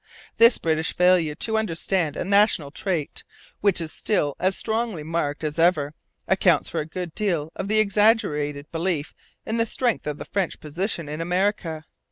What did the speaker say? This British failure to understand a national trait, which is still as strongly marked as ever, accounts for a good deal of the exaggerated belief in the strength of the French position in America.